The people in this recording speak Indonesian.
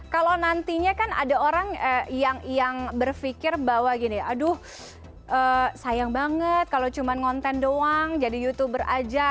kalau nantinya kan ada orang yang berpikir bahwa gini aduh sayang banget kalau cuma konten doang jadi youtuber aja